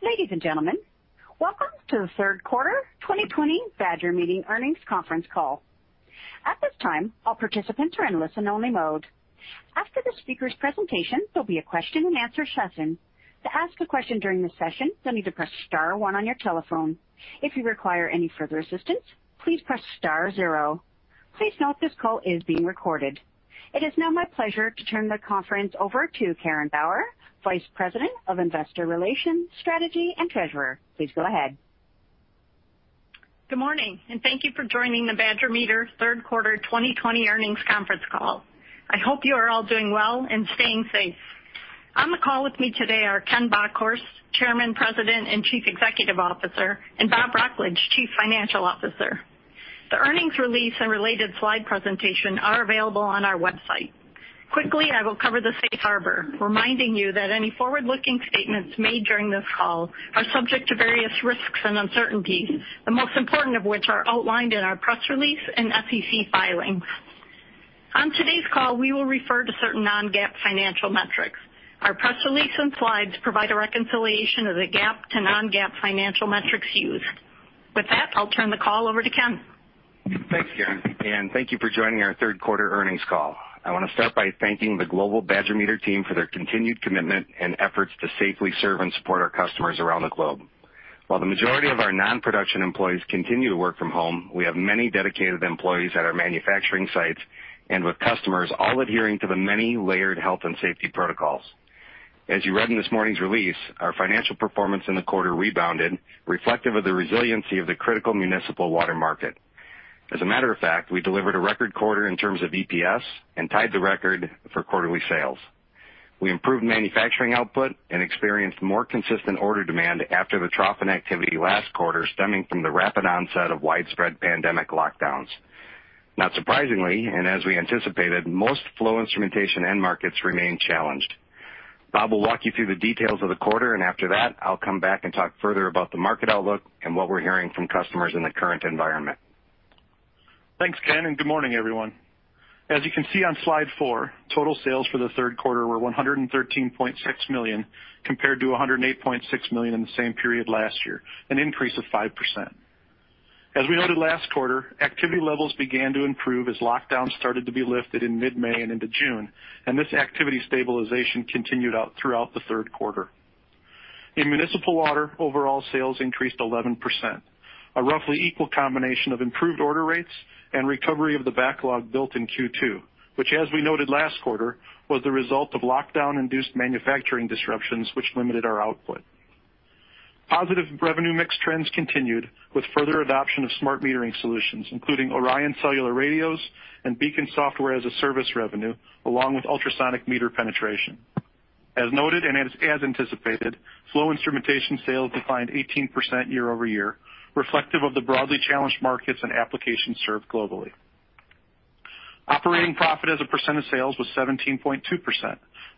Ladies and gentlemen, welcome to the third quarter 2020 Badger Meter earnings conference call. At this time, all participants are in listen-only mode. After the speaker's presentation, there'll be a question and answer session. To ask a question during the session, you'll need to press star one on your telephone. If you require any further assistance, please press star zero. Please note this call is being recorded. It is now my pleasure to turn the conference over to Karen Bauer, Vice President of Investor Relations, Strategy, and Treasurer. Please go ahead. Good morning. Thank you for joining the Badger Meter third quarter 2020 earnings conference call. I hope you are all doing well and staying safe. On the call with me today are Ken Bockhorst, Chairman, President, and Chief Executive Officer, and Bob Wrocklage, Chief Financial Officer. The earnings release and related slide presentation are available on our website. Quickly, I will cover the safe harbor, reminding you that any forward-looking statements made during this call are subject to various risks and uncertainties, the most important of which are outlined in our press release and SEC filings. On today's call, we will refer to certain non-GAAP financial metrics. Our press release and slides provide a reconciliation of the GAAP to non-GAAP financial metrics used. With that, I'll turn the call over to Ken. Thanks, Karen, and thank you for joining our third quarter earnings call. I want to start by thanking the global Badger Meter team for their continued commitment and efforts to safely serve and support our customers around the globe. While the majority of our non-production employees continue to work from home, we have many dedicated employees at our manufacturing sites and with customers all adhering to the many layered health and safety protocols. As you read in this morning's release, our financial performance in the quarter rebounded, reflective of the resiliency of the critical municipal water market. As a matter of fact, we delivered a record quarter in terms of EPS and tied the record for quarterly sales. We improved manufacturing output and experienced more consistent order demand after the trough in activity last quarter, stemming from the rapid onset of widespread pandemic lockdowns. Not surprisingly, as we anticipated, most flow instrumentation end markets remained challenged. Bob will walk you through the details of the quarter, and after that, I'll come back and talk further about the market outlook and what we're hearing from customers in the current environment. Thanks, Ken. Good morning, everyone. As you can see on slide four, total sales for the third quarter were $113.6 million, compared to $108.6 million in the same period last year, an increase of 5%. As we noted last quarter, activity levels began to improve as lockdowns started to be lifted in mid-May and into June, and this activity stabilization continued out throughout the third quarter. In municipal water, overall sales increased 11%, a roughly equal combination of improved order rates and recovery of the backlog built in Q2, which, as we noted last quarter, was the result of lockdown-induced manufacturing disruptions, which limited our output. Positive revenue mix trends continued with further adoption of smart metering solutions, including ORION cellular radios and BEACON software-as-a-service revenue, along with ultrasonic meter penetration. As noted and as anticipated, flow instrumentation sales declined 18% year-over-year, reflective of the broadly challenged markets and applications served globally. Operating profit as a % of sales was 17.2%,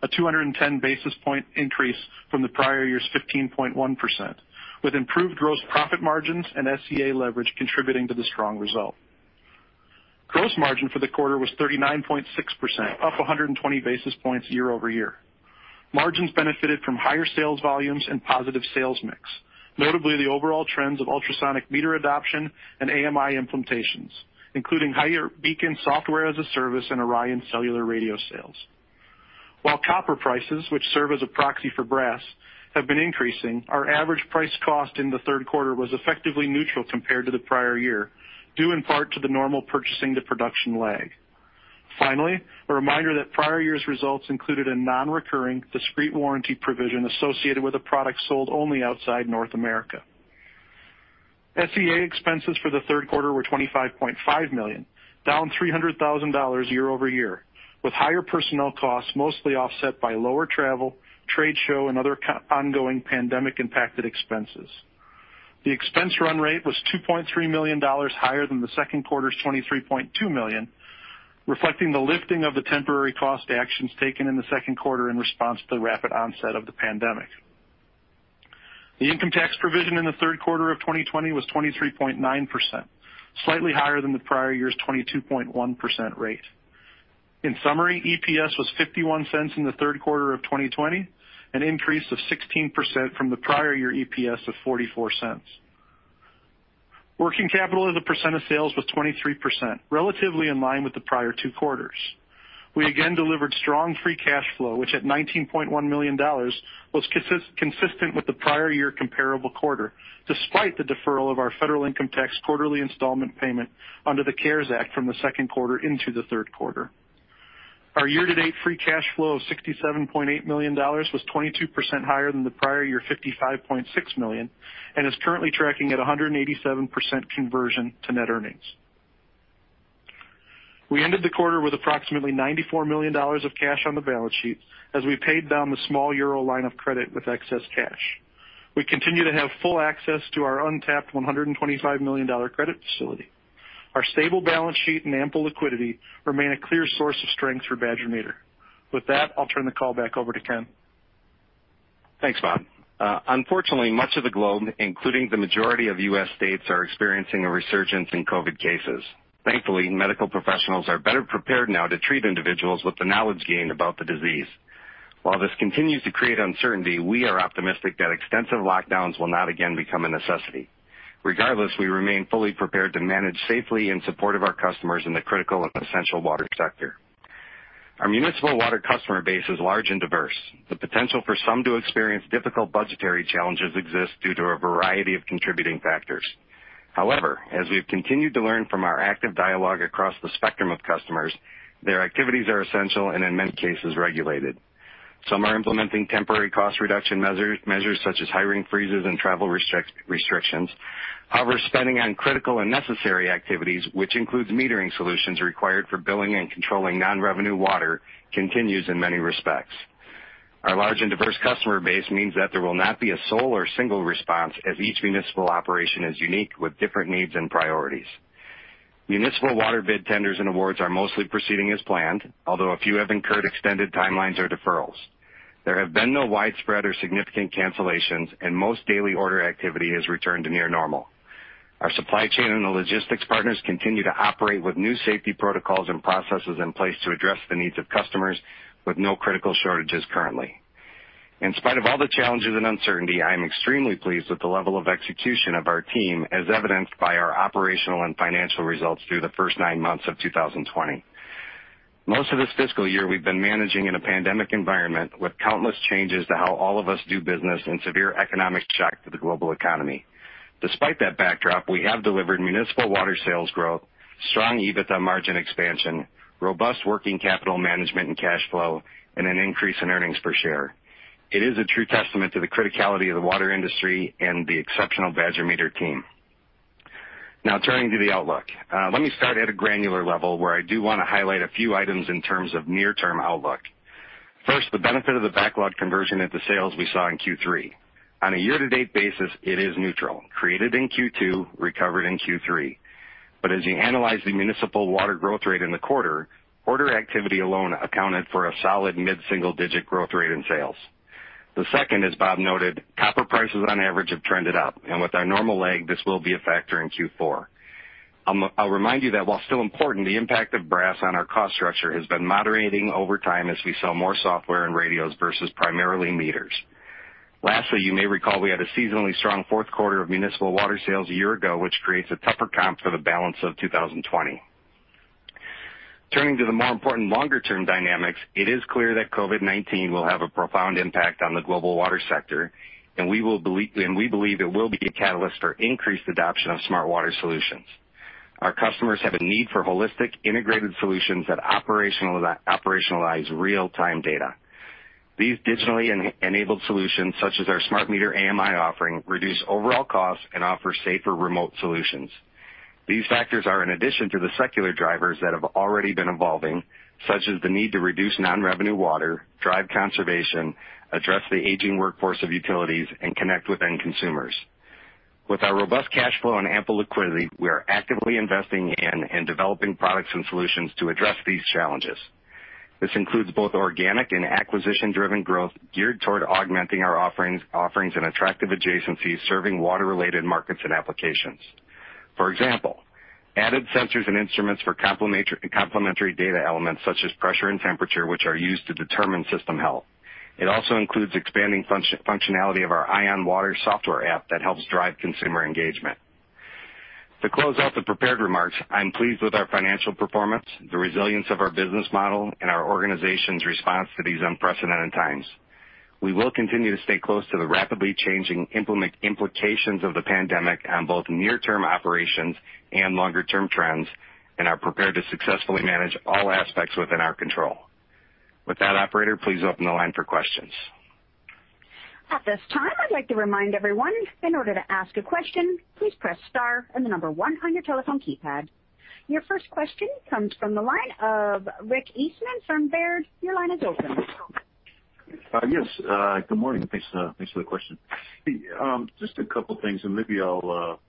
a 210 basis point increase from the prior year's 15.1%, with improved gross profit margins and SCA leverage contributing to the strong result. Gross margin for the quarter was 39.6%, up 120 basis points year-over-year. Margins benefited from higher sales volumes and positive sales mix, notably the overall trends of ultrasonic meter adoption and AMI implementations, including higher BEACON software-as-a-service and ORION cellular radio sales. While copper prices, which serve as a proxy for brass, have been increasing, our average price cost in the third quarter was effectively neutral compared to the prior year, due in part to the normal purchasing-to-production lag. Finally, a reminder that prior year's results included a non-recurring, discrete warranty provision associated with a product sold only outside North America. SCA expenses for the third quarter were $25.5 million, down $300,000 year-over-year, with higher personnel costs mostly offset by lower travel, trade show, and other ongoing pandemic-impacted expenses. The expense run rate was $2.3 million higher than the second quarter's $23.2 million, reflecting the lifting of the temporary cost actions taken in the second quarter in response to the rapid onset of the pandemic. The income tax provision in the third quarter of 2020 was 23.9%, slightly higher than the prior year's 22.1% rate. In summary, EPS was $0.51 in the third quarter of 2020, an increase of 16% from the prior year EPS of $0.44. Working capital as a percent of sales was 23%, relatively in line with the prior two quarters. We again delivered strong free cash flow, which at $19.1 million was consistent with the prior year comparable quarter, despite the deferral of our federal income tax quarterly installment payment under the CARES Act from the second quarter into the third quarter. Our year-to-date free cash flow of $67.8 million was 22% higher than the prior year $55.6 million and is currently tracking at 187% conversion to net earnings. We ended the quarter with approximately $94 million of cash on the balance sheet as we paid down the small euro line of credit with excess cash. We continue to have full access to our untapped $125 million credit facility. Our stable balance sheet and ample liquidity remain a clear source of strength for Badger Meter. With that, I'll turn the call back over to Ken. Thanks, Bob. Unfortunately, much of the globe, including the majority of U.S. states, are experiencing a resurgence in COVID-19 cases. Thankfully, medical professionals are better prepared now to treat individuals with the knowledge gained about the disease. While this continues to create uncertainty, we are optimistic that extensive lockdowns will not again become a necessity. Regardless, we remain fully prepared to manage safely in support of our customers in the critical and essential water sector. Our municipal water customer base is large and diverse. The potential for some to experience difficult budgetary challenges exists due to a variety of contributing factors. As we've continued to learn from our active dialogue across the spectrum of customers, their activities are essential and in many cases regulated. Some are implementing temporary cost reduction measures such as hiring freezes and travel restrictions. However, spending on critical and necessary activities, which includes metering solutions required for billing and controlling non-revenue water, continues in many respects. Our large and diverse customer base means that there will not be a sole or single response as each municipal operation is unique with different needs and priorities. Municipal water bid tenders and awards are mostly proceeding as planned, although a few have incurred extended timelines or deferrals. There have been no widespread or significant cancellations, and most daily order activity has returned to near normal. Our supply chain and logistics partners continue to operate with new safety protocols and processes in place to address the needs of customers with no critical shortages currently. In spite of all the challenges and uncertainty, I am extremely pleased with the level of execution of our team, as evidenced by our operational and financial results through the first nine months of 2020. Most of this fiscal year, we've been managing in a pandemic environment with countless changes to how all of us do business and severe economic shock to the global economy. Despite that backdrop, we have delivered municipal water sales growth, strong EBITDA margin expansion, robust working capital management and cash flow, and an increase in earnings per share. It is a true testament to the criticality of the water industry and the exceptional Badger Meter team. Now turning to the outlook. Let me start at a granular level where I do want to highlight a few items in terms of near-term outlook, first, the benefit of the backlog conversion into sales we saw in Q3. On a year-to-date basis, it is neutral, created in Q2, recovered in Q3. As you analyze the municipal water growth rate in the quarter, order activity alone accounted for a solid mid-single-digit growth rate in sales. The second, as Bob noted, copper prices on average have trended up, and with our normal lag, this will be a factor in Q4. I'll remind you that while still important, the impact of brass on our cost structure has been moderating over time as we sell more software and radios versus primarily meters. Lastly, you may recall we had a seasonally strong fourth quarter of municipal water sales a year ago, which creates a tougher comp for the balance of 2020. Turning to the more important longer-term dynamics, it is clear that COVID-19 will have a profound impact on the global water sector, and we believe it will be a catalyst for increased adoption of smart water solutions. Our customers have a need for holistic, integrated solutions that operationalize real-time data. These digitally-enabled solutions, such as our smart meter AMI offering, reduce overall costs and offer safer remote solutions. These factors are in addition to the secular drivers that have already been evolving, such as the need to reduce non-revenue water, drive conservation, address the aging workforce of utilities, and connect with end consumers. With our robust cash flow and ample liquidity, we are actively investing in and developing products and solutions to address these challenges. This includes both organic and acquisition-driven growth geared toward augmenting our offerings and attractive adjacencies serving water-related markets and applications. For example, added sensors and instruments for complementary data elements such as pressure and temperature, which are used to determine system health. It also includes expanding functionality of our EyeOnWater software app that helps drive consumer engagement. To close out the prepared remarks, I'm pleased with our financial performance, the resilience of our business model, and our organization's response to these unprecedented times. We will continue to stay close to the rapidly changing implications of the pandemic on both near-term operations and longer-term trends and are prepared to successfully manage all aspects within our control. With that, operator, please open the line for questions. Your first question comes from the line of Rick Eastman from Baird. Your line is open. Yes. Good morning. Thanks for the question. Just a couple of things, and maybe I'll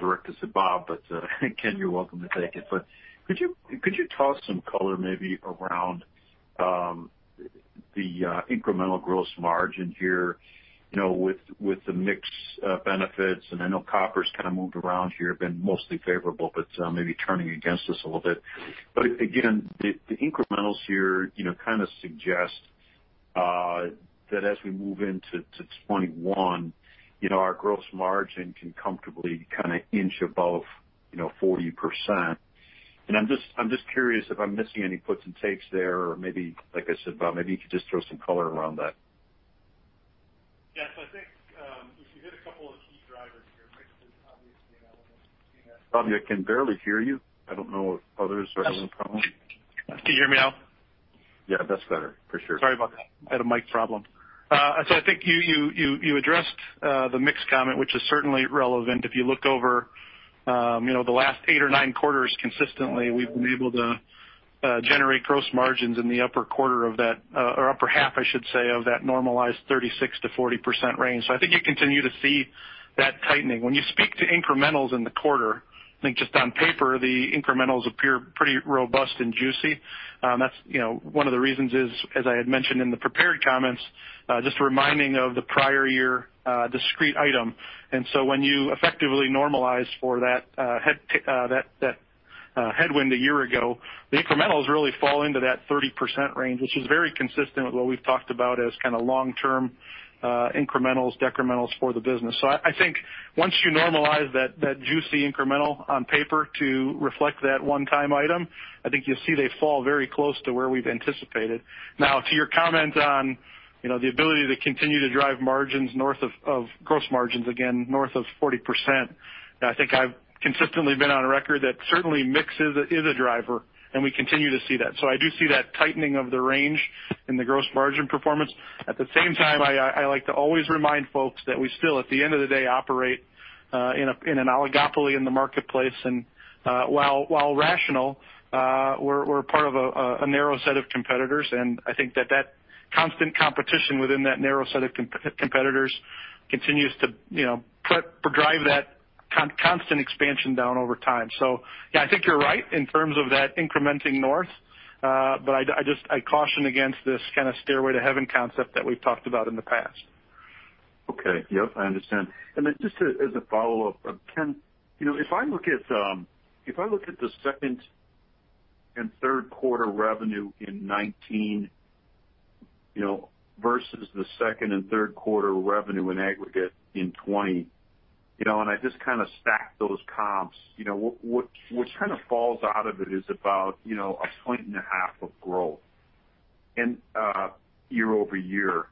direct this to Bob, but Ken, you're welcome to take it. Could you toss some color maybe around the incremental gross margin here with the mix benefits? I know copper's kind of moved around here, been mostly favorable, but maybe turning against us a little bit. Again, the incrementals here kind of suggest that as we move into 2021, our gross margin can comfortably kind of inch above 40%. I'm just curious if I'm missing any puts and takes there or maybe, like I said, Bob, maybe you could just throw some color around that. I think if you hit a couple of key drivers here, Rick, there's obviously elements. Bob, I can barely hear you. I don't know if others are having a problem. Can you hear me now? Yeah, that's better for sure. Sorry about that. I had a mic problem. I think you addressed the mix comment, which is certainly relevant. If you look over the last eight or nine quarters consistently, we've been able to generate gross margins in the upper quarter of that, or upper half, I should say, of that normalized 36%-40% range. I think you continue to see that tightening. When you speak to incrementals in the quarter, I think just on paper, the incrementals appear pretty robust and juicy. One of the reasons is, as I had mentioned in the prepared comments, just a reminding of the prior year discrete item. When you effectively normalize for that headwind a year ago. The incrementals really fall into that 30% range, which is very consistent with what we've talked about as kind of long-term incrementals, decrementals for the business. I think once you normalize that juicy incremental on paper to reflect that one-time item, I think you'll see they fall very close to where we've anticipated. To your comment on the ability to continue to drive margins, gross margins, again, north of 40%, I think I've consistently been on a record that certainly mix is a driver, and we continue to see that. I do see that tightening of the range in the gross margin performance. At the same time, I like to always remind folks that we still, at the end of the day, operate in an oligopoly in the marketplace. While rational, we're part of a narrow set of competitors, and I think that constant competition within that narrow set of competitors continues to drive that constant expansion down over time. Yeah, I think you're right in terms of that incrementing north. I caution against this kind of stairway to heaven concept that we've talked about in the past. Okay. Yep, I understand. Just as a follow-up, Ken, if I look at the second and third quarter revenue in 2019, versus the second and third quarter revenue in aggregate in 2020, I just kind of stack those comps what kind of falls out of it is about a point and a half of growth in year-over-year.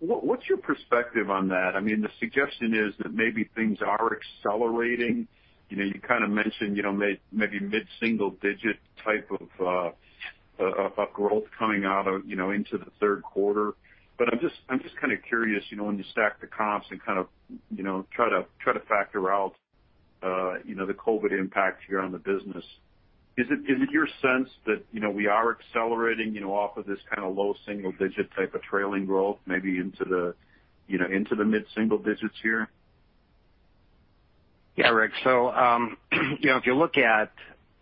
What's your perspective on that? The suggestion is that maybe things are accelerating. You kind of mentioned maybe mid-single digit type of growth coming out into the third quarter. I'm just kind of curious, when you stack the comps and kind of try to factor out the COVID-19 impact here on the business, is it your sense that we are accelerating off of this kind of low single digit type of trailing growth, maybe into the mid-single digits here? Rick. If you look at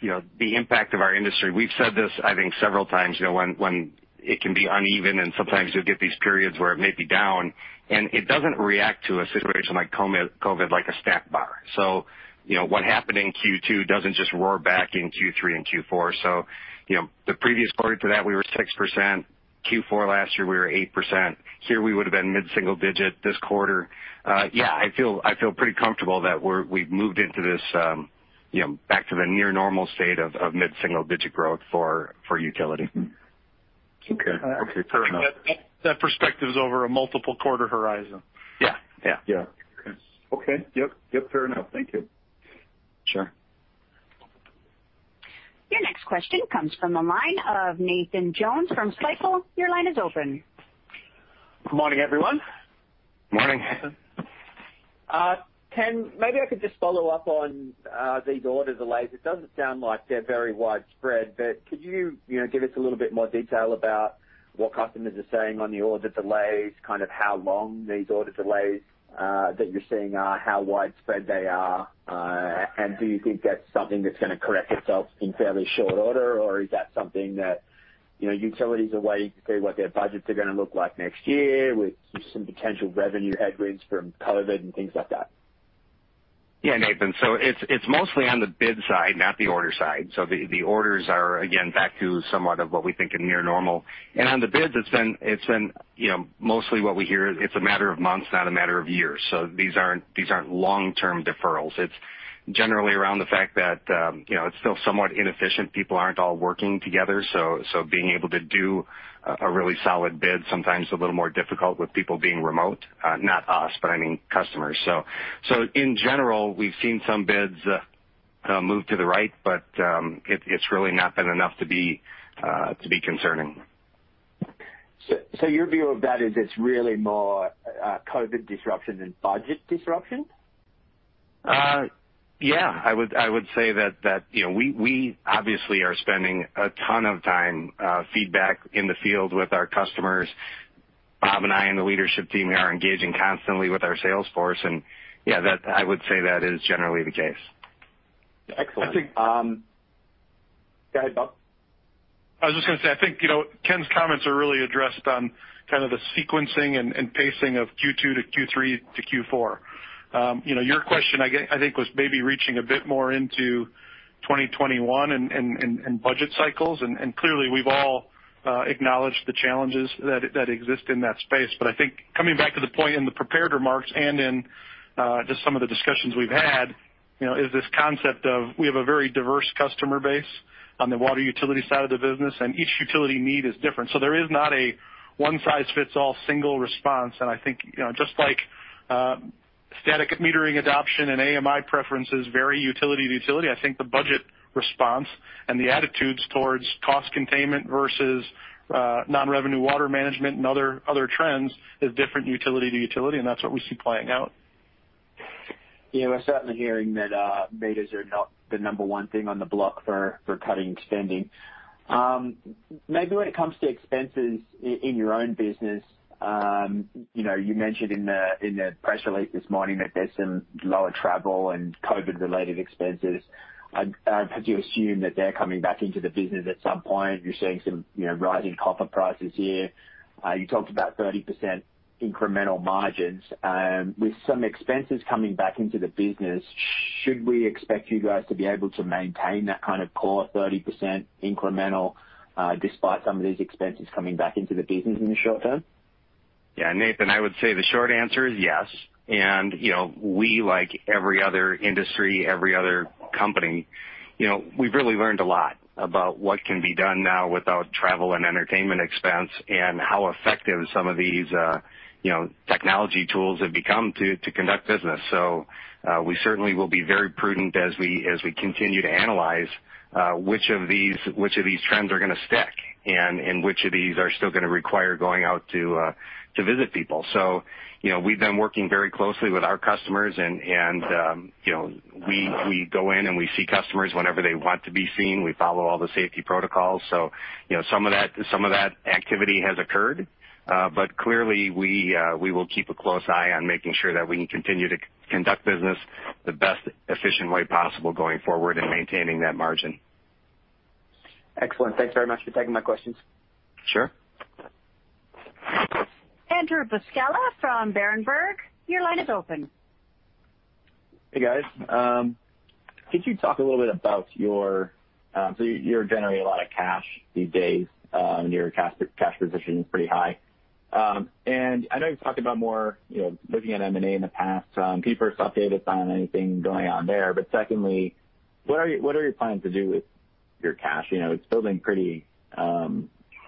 the impact of our industry, we've said this, I think several times, when it can be uneven and sometimes you'll get these periods where it may be down, and it doesn't react to a situation like COVID-19 like a snap back. What happened in Q2 doesn't just roar back in Q3 and Q4. The previous quarter to that, we were 6%. Q4 last year, we were 8%. Here we would've been mid-single digit this quarter. I feel pretty comfortable that we've moved into this back to the near normal state of mid-single digit growth for utility. Okay. Fair enough. That perspective is over a multiple quarter horizon. Yeah. Yeah. Okay. Yep, fair enough. Thank you. Sure. Your next question comes from the line of Nathan Jones from Stifel. Your line is open. Good morning, everyone. Morning. Ken, maybe I could just follow up on these order delays. It doesn't sound like they're very widespread, but could you give us a little bit more detail about what customers are saying on the order delays, kind of how long these order delays that you're seeing are, how widespread they are? Do you think that's something that's going to correct itself in fairly short order, or is that something that utilities are waiting to see what their budgets are going to look like next year with some potential revenue headwinds from COVID and things like that? Yeah, Nathan. It's mostly on the bid side, not the order side. The orders are, again, back to somewhat of what we think a near normal. On the bids, it's been mostly what we hear, it's a matter of months, not a matter of years. These aren't long-term deferrals. It's generally around the fact that it's still somewhat inefficient. People aren't all working together, so being able to do a really solid bid sometimes a little more difficult with people being remote. Not us, but I mean customers. In general, we've seen some bids move to the right, but it's really not been enough to be concerning. Your view of that is it's really more COVID disruption than budget disruption? Yeah. I would say that we obviously are spending a ton of time feedback in the field with our customers. Bob and I and the leadership team here are engaging constantly with our sales force and yeah, I would say that is generally the case. Excellent. I think- Go ahead, Bob. I was just going to say, I think Ken's comments are really addressed on kind of the sequencing and pacing of Q2 to Q3 to Q4. Your question I think was maybe reaching a bit more into 2021 and budget cycles, and clearly we've all acknowledged the challenges that exist in that space. I think coming back to the point in the prepared remarks and in just some of the discussions we've had, is this concept of we have a very diverse customer base on the water utility side of the business, and each utility need is different. There is not a one size fits all single response, and I think just like static metering adoption and AMI preferences vary utility to utility, I think the budget response and the attitudes towards cost containment versus non-revenue water management and other trends is different utility to utility, and that's what we see playing out. We're certainly hearing that meters are not the number one thing on the block for cutting spending. Maybe when it comes to expenses in your own business, you mentioned in the press release this morning that there's some lower travel and COVID-19-related expenses. I'd hope you assume that they're coming back into the business at some point. You're seeing some rising copper prices here. You talked about 30% incremental margins. With some expenses coming back into the business, should we expect you guys to be able to maintain that kind of core 30% incremental, despite some of these expenses coming back into the business in the short term? Yeah, Nathan, I would say the short answer is yes. We, like every other industry, every other company, we've really learned a lot about what can be done now without travel and entertainment expense and how effective some of these technology tools have become to conduct business. We certainly will be very prudent as we continue to analyze which of these trends are going to stick and which of these are still going to require going out to visit people. We've been working very closely with our customers, and we go in and we see customers whenever they want to be seen. We follow all the safety protocols. Some of that activity has occurred. Clearly, we will keep a close eye on making sure that we continue to conduct business the best efficient way possible going forward and maintaining that margin. Excellent. Thanks very much for taking my questions. Sure. Andrew Buscaglia from Berenberg, your line is open. Hey, guys. Could you talk a little bit about you're generating a lot of cash these days. Your cash position is pretty high. I know you've talked about more, looking at M&A in the past. Can you first update us on anything going on there? Secondly, what are your plans to do with your cash? It's building pretty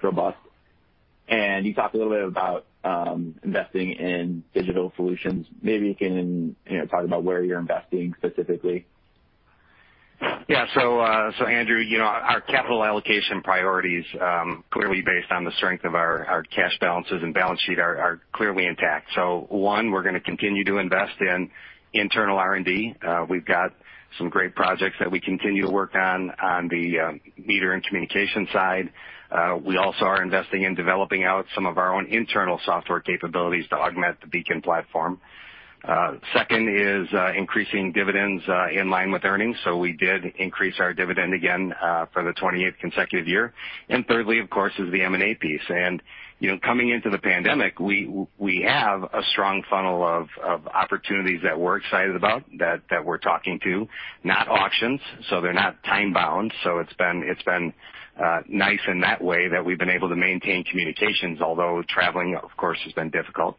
robust, and you talked a little bit about investing in digital solutions. Maybe you can talk about where you're investing specifically. Andrew, our capital allocation priorities, clearly based on the strength of our cash balances and balance sheet, are clearly intact. One, we're going to continue to invest in internal R&D. We've got some great projects that we continue to work on the meter and communication side. We also are investing in developing out some of our own internal software capabilities to augment the BEACON platform. Second is increasing dividends in line with earnings. We did increase our dividend again for the 28th consecutive year. Thirdly, of course, is the M&A piece. Coming into the pandemic, we have a strong funnel of opportunities that we're excited about, that we're talking to, not auctions, so they're not time bound. It's been nice in that way that we've been able to maintain communications, although traveling, of course, has been difficult.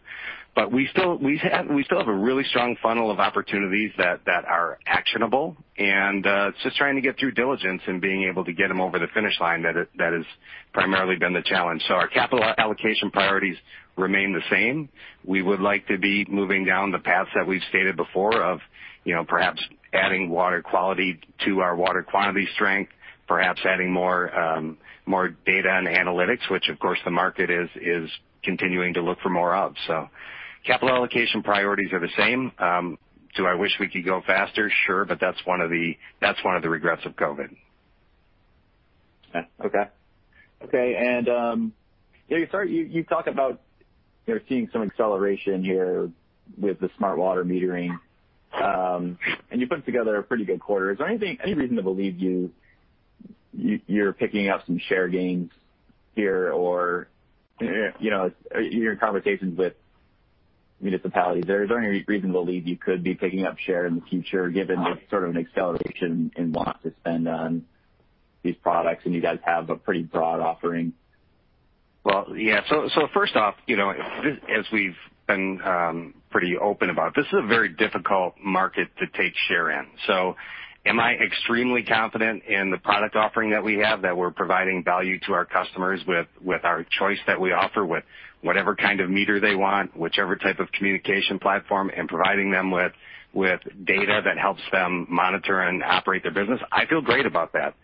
We still have a really strong funnel of opportunities that are actionable and it's just trying to get due diligence and being able to get them over the finish line that has primarily been the challenge. Our capital allocation priorities remain the same. We would like to be moving down the paths that we've stated before of perhaps adding water quality to our water quantity strength, perhaps adding more data and analytics, which of course the market is continuing to look for more of. Capital allocation priorities are the same. Do I wish we could go faster? Sure, but that's one of the regrets of COVID-19. Okay. You talk about seeing some acceleration here with the smart water metering, and you put together a pretty good quarter. Is there any reason to believe you're picking up some share gains here? In your conversations with municipalities, is there any reason to believe you could be picking up share in the future given sort of an acceleration in want to spend on these products? You guys have a pretty broad offering. Well, yeah. First off, as we've been pretty open about, this is a very difficult market to take share in. Am I extremely confident in the product offering that we have, that we're providing value to our customers with our choice that we offer, with whatever kind of meter they want, whichever type of communication platform, and providing them with data that helps them monitor and operate their business? I feel great about that.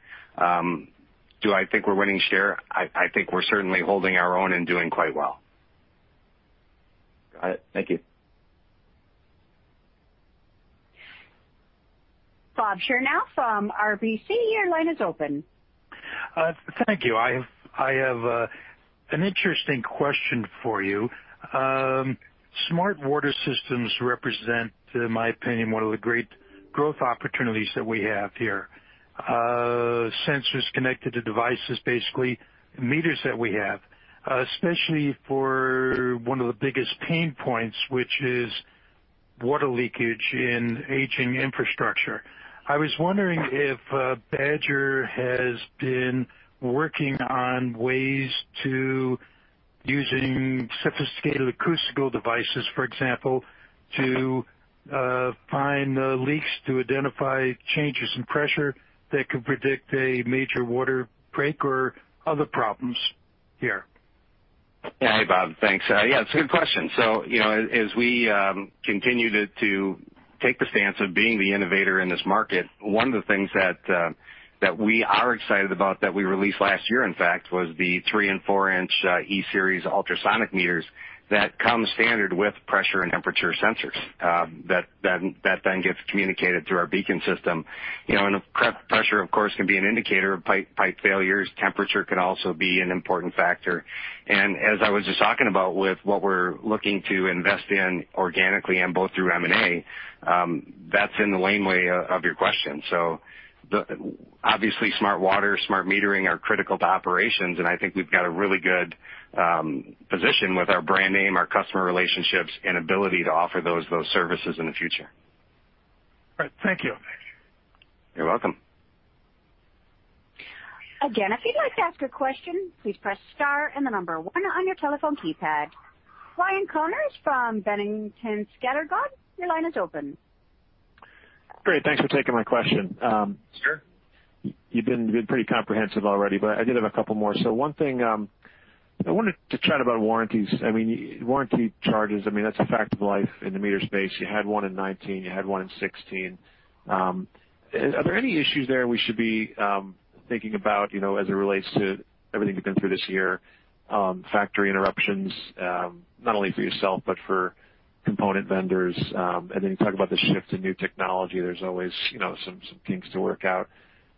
Do I think we're winning share? I think we're certainly holding our own and doing quite well. All right. Thank you. Bob Chernow from RBC, your line is open. Thank you. I have an interesting question for you. Smart water systems represent, in my opinion, one of the great growth opportunities that we have here. Sensors connected to devices, basically meters that we have, especially for one of the biggest pain points, which is water leakage in aging infrastructure. I was wondering if Badger has been working on ways to using sophisticated acoustical devices, for example, to find leaks to identify changes in pressure that could predict a major water break or other problems here. Hey, Bob. Thanks. It's a good question. As we continue to take the stance of being the innovator in this market, one of the things that we are excited about that we released last year, in fact, was the three and four-inch E-Series ultrasonic meters that come standard with pressure and temperature sensors. That gets communicated through our BEACON system. Pressure, of course, can be an indicator of pipe failures. Temperature can also be an important factor. As I was just talking about with what we're looking to invest in organically and both through M&A, that's in the laneway of your question. Obviously smart water, smart metering are critical to operations, and I think we've got a really good position with our brand name, our customer relationships and ability to offer those services in the future. All right. Thank you. You're welcome. Again, if you'd like to ask a question, please press star and the number one on your telephone keypad. Ryan Connors from Boenning & Scattergood, your line is open. Great. Thanks for taking my question. Sure. You've been pretty comprehensive already, I did have a couple more. One thing, I wanted to chat about warranties. Warranty charges, that's a fact of life in the meter space. You had one in 2019. You had one in 2016. Are there any issues there we should be thinking about, as it relates to everything you've been through this year, factory interruptions, not only for yourself but for component vendors? Then you talk about the shift to new technology. There's always some kinks to work out.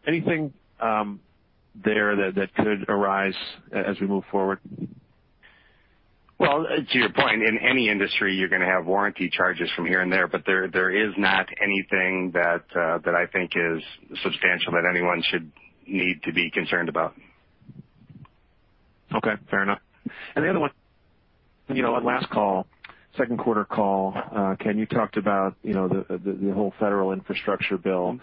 Anything there that could arise as we move forward? Well, to your point, in any industry, you're going to have warranty charges from here and there. There is not anything that I think is substantial that anyone should need to be concerned about. Okay, fair enough. The other one, on last call, second quarter call, Ken, you talked about the whole federal infrastructure bill,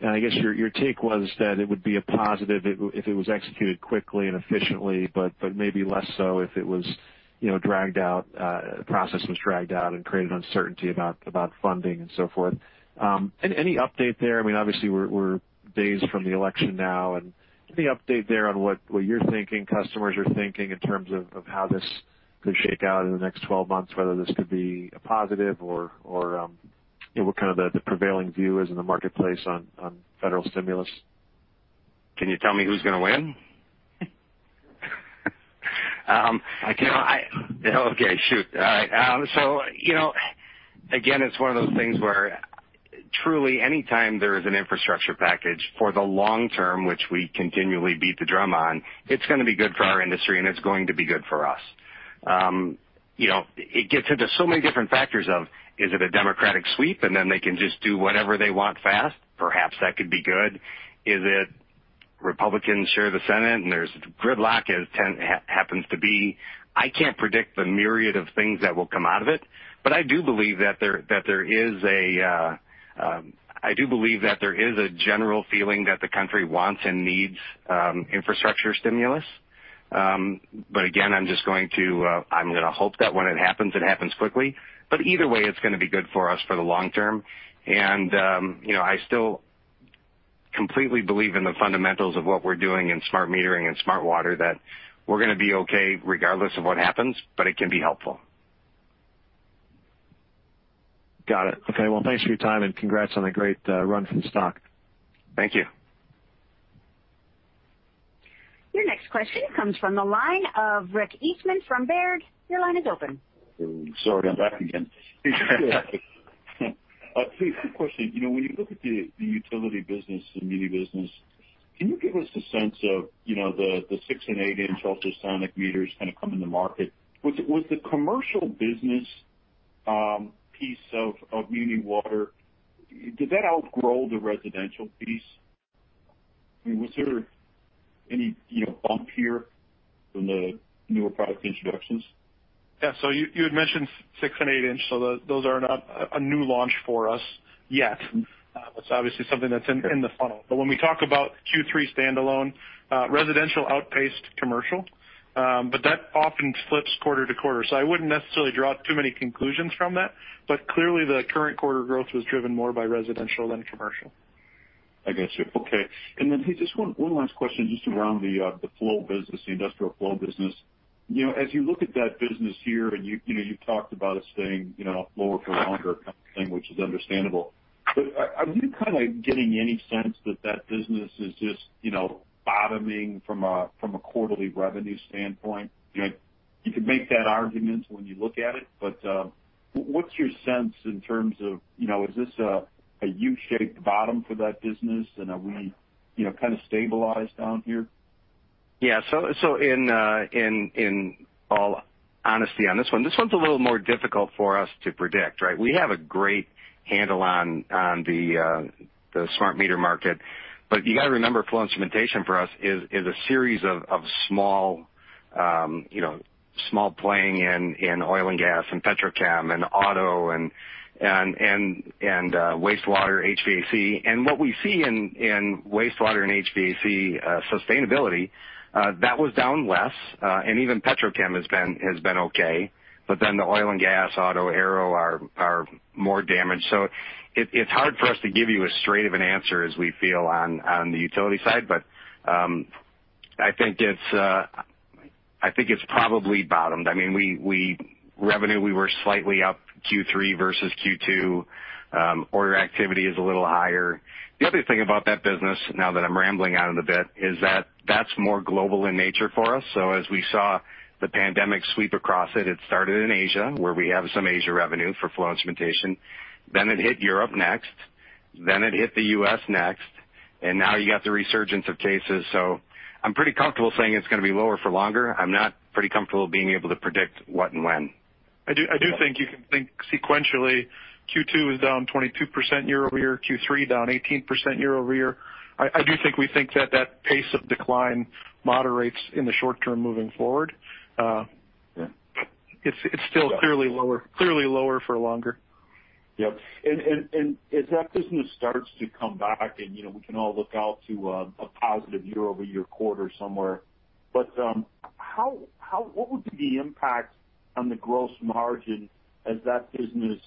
and I guess your take was that it would be a positive if it was executed quickly and efficiently, but maybe less so if the process was dragged out and created uncertainty about funding and so forth. Any update there? Obviously, we're days from the election now, and any update there on what you're thinking, customers are thinking in terms of how this could shake out in the next 12 months, whether this could be a positive or what the prevailing view is in the marketplace on federal stimulus? Can you tell me who's going to win? I cannot. Okay, shoot. All right. Again, it's one of those things where truly anytime there is an infrastructure package for the long term, which we continually beat the drum on, it's going to be good for our industry, and it's going to be good for us. It gets into so many different factors of, is it a Democratic sweep, and then they can just do whatever they want fast? Perhaps that could be good. Is it Republicans share the Senate and there's gridlock as it happens to be? I can't predict the myriad of things that will come out of it. I do believe that there is a general feeling that the country wants and needs infrastructure stimulus. Again, I'm going to hope that when it happens, it happens quickly. Either way, it's going to be good for us for the long term. I still completely believe in the fundamentals of what we're doing in smart metering and smart water, that we're going to be okay regardless of what happens, but it can be helpful. Got it. Okay. Well, thanks for your time and congrats on a great run for the stock. Thank you. Your next question comes from the line of Rick Eastman from Baird. Your line is open. Sorry, I'm back again. Two quick question. When you look at the utility business, the muni business, can you give us a sense of the six and eight-inch ultrasonic meters coming to market? Was the commercial business piece of muni water, did that outgrow the residential piece? Was there any bump here from the newer product introductions? Yeah. You had mentioned six and eight-inch. Those are not a new launch for us yet. That's obviously something that's in the funnel. When we talk about Q3 standalone, residential outpaced commercial. That often flips quarter to quarter. I wouldn't necessarily draw too many conclusions from that. Clearly the current quarter growth was driven more by residential than commercial. I got you. Okay. Just one last question just around the flow business, the industrial flow business. As you look at that business here, and you've talked about it staying lower for longer kind of thing, which is understandable, but are you getting any sense that that business is just bottoming from a quarterly revenue standpoint? You could make that argument when you look at it, but what's your sense in terms of, is this a U-shaped bottom for that business? Are we stabilized down here? Yeah. In all honesty on this one, this one's a little more difficult for us to predict, right? We have a great handle on the smart meter market. You got to remember, flow instrumentation for us is a series of small playing in oil and gas and petrochem and auto and wastewater HVAC. What we see in wastewater and HVAC sustainability, that was down less. Even petrochem has been okay. The oil and gas, auto, aero are more damaged. It's hard for us to give you as straight of an answer as we feel on the utility side. I think it's probably bottomed. Revenue, we were slightly up Q3 versus Q2. Order activity is a little higher. The other thing about that business, now that I'm rambling on it a bit, is that that's more global in nature for us. As we saw the pandemic sweep across it started in Asia, where we have some Asia revenue for flow instrumentation. It hit Europe next. It hit the U.S. next. Now you got the resurgence of cases. I'm pretty comfortable saying it's going to be lower for longer. I'm not pretty comfortable being able to predict what and when. I do think you can think sequentially, Q2 is down 22% year-over-year, Q3 down 18% year-over-year. I do think we think that that pace of decline moderates in the short term moving forward. Yeah. It's still clearly lower for longer. Yep. As that business starts to come back and we can all look out to a positive year-over-year quarter somewhere. What would be the impact on the gross margin as that business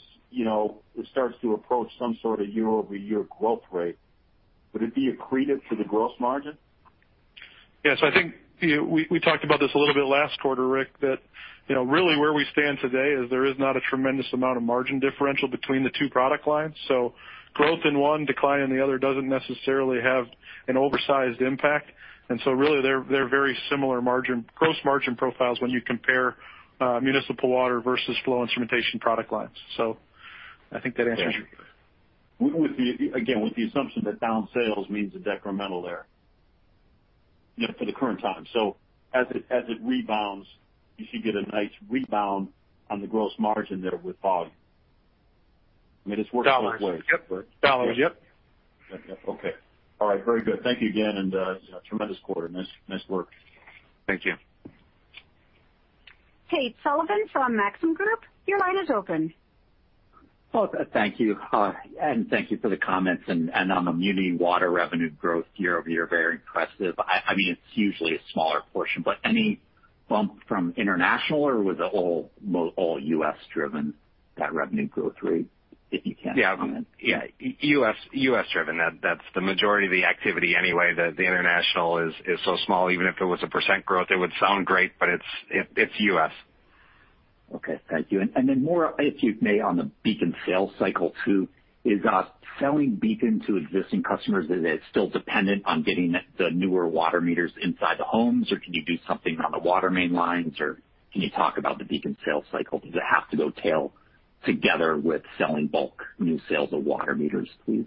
starts to approach some sort of year-over-year growth rate? Would it be accretive to the gross margin? Yes. I think we talked about this a little bit last quarter, Rick, that really where we stand today is there is not a tremendous amount of margin differential between the two product lines. Growth in one, decline in the other doesn't necessarily have an oversized impact. Really, they're very similar gross margin profiles when you compare municipal water versus flow instrumentation product lines. Yeah. Again, with the assumption that down sales means a decremental there for the current time. As it rebounds, you should get a nice rebound on the gross margin there with volume. I mean, it's worked both ways. Dollars. Yep. Okay. All right. Very good. Thank you again, and tremendous quarter. Nice work. Thank you. Tate Sullivan from Maxim Group, your line is open. Thank you. Hi, thank you for the comments. On the muni water revenue growth year-over-year, very impressive. It's usually a smaller portion, but any bump from international, or was it all U.S.-driven, that revenue growth rate, if you can comment? Yeah. U.S.-driven. That's the majority of the activity anyway. The international is so small, even if it was a percent growth, it would sound great, but it's U.S. Okay. Thank you. More, if you may, on the BEACON sales cycle too. Is selling BEACON to existing customers, is it still dependent on getting the newer water meters inside the homes, or can you do something on the water main lines, or can you talk about the BEACON sales cycle? Does it have to go tail together with selling bulk new sales of water meters, please?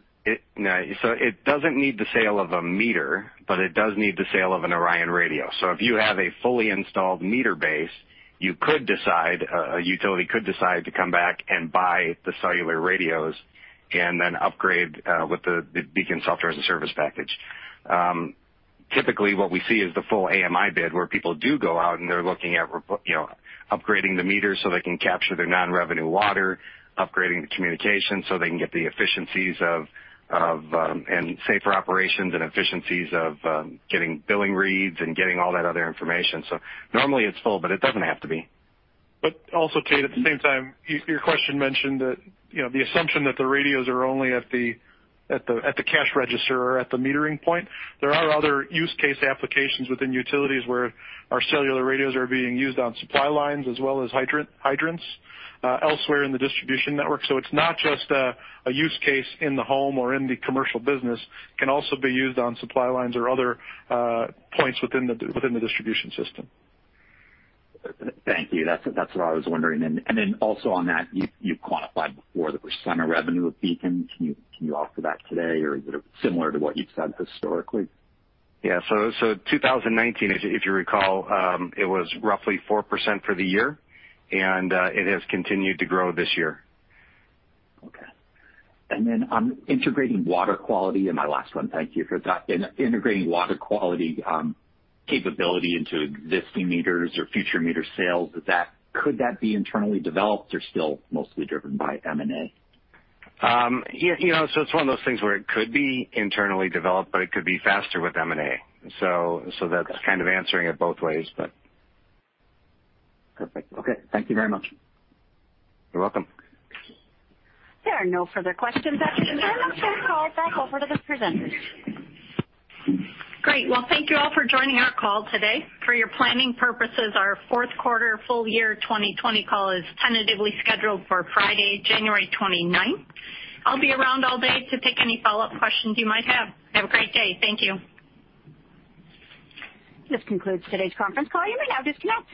No. It doesn't need the sale of a meter, but it does need the sale of an ORION radio. If you have a fully installed meter base, a utility could decide to come back and buy the cellular radios and then upgrade with the BEACON software-as-a-service package. Typically, what we see is the full AMI bid where people do go out and they're looking at upgrading the meters so they can capture their non-revenue water, upgrading the communication so they can get the efficiencies and safer operations and efficiencies of getting billing reads and getting all that other information. Normally it's full, but it doesn't have to be. Also, Tate, at the same time, your question mentioned the assumption that the radios are only at the cash register or at the metering point. There are other use case applications within utilities where our cellular radios are being used on supply lines as well as hydrants elsewhere in the distribution network. It's not just a use case in the home or in the commercial business. It can also be used on supply lines or other points within the distribution system. Thank you. That's what I was wondering. Also on that, you've quantified before the % of revenue of BEACON. Can you offer that today, or is it similar to what you've said historically? Yeah. 2019, if you recall, it was roughly 4% for the year, and it has continued to grow this year. Okay. On integrating water quality, and my last one. Thank you. Integrating water quality capability into existing meters or future meter sales, could that be internally developed or still mostly driven by M&A? It's one of those things where it could be internally developed, but it could be faster with M&A. That's kind of answering it both ways. Perfect. Okay. Thank you very much. You're welcome. There are no further questions at this time. I'll turn the call back over to the presenters. Great. Well, thank you all for joining our call today. For your planning purposes, our fourth quarter full year 2020 call is tentatively scheduled for Friday, January 29th. I'll be around all day to take any follow-up questions you might have. Have a great day. Thank you. This concludes today's conference call. You may now disconnect.